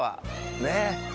ねっ。